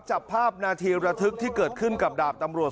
จับภาพนาทีระทึกที่เกิดขึ้นกับดาบตำรวจ